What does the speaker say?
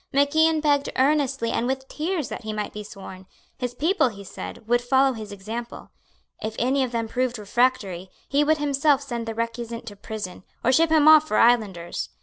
Mac Ian begged earnestly and with tears that he might be sworn. His people, he said, would follow his example. If any of them proved refractory, he would himself send the recusant to prison, or ship him off for Islanders.